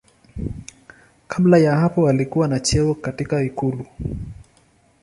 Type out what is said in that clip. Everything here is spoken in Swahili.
Kabla ya hapo alikuwa na cheo katika ikulu.